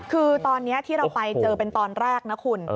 คือตอนนี้ที่เราไปเจอเป็นตอนแรกนะคุณ